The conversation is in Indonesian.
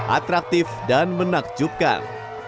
atraktif dan menakjubkan